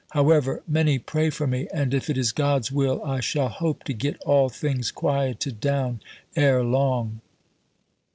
However, many pray for me, and if it is God's will, I shall hope to get all things quieted down ere long.